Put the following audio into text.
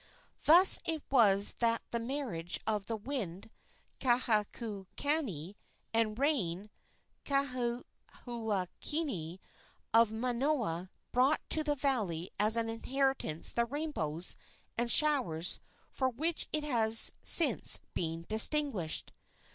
Thus it was that the marriage of the Wind (Kahaukani) and Rain (Kauahuahine) of Manoa brought to the valley as an inheritance the rainbows and showers for which it has since been distinguished.